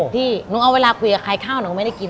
พี่หนูเอาเวลาคุยกับใครข้าวหนูไม่ได้กิน